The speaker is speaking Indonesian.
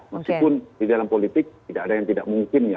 meskipun di dalam politik tidak ada yang tidak mungkin ya